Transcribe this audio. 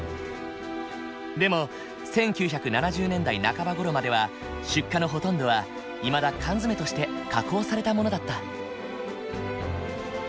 でも１９７０年代半ばごろまでは出荷のほとんどはいまだ缶詰として加工されたものだった。